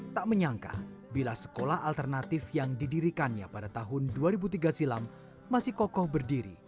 tak menyangka bila sekolah alternatif yang didirikannya pada tahun dua ribu tiga silam masih kokoh berdiri